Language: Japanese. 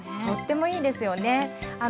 とってもいいですよね。